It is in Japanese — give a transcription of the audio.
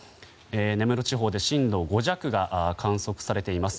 根室地方で震度５弱が観測されています。